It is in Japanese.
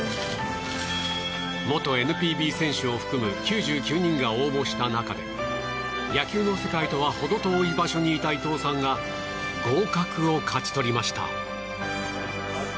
元ＮＰＢ選手を含む９９人が応募した中で野球の世界とは程遠い場所にいた伊藤さんが合格を勝ち取りました。